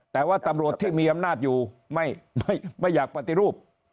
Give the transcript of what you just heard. แต่ว่าตำรวจที่มีอำนาจอยู่ไม่อยากปฏิรูป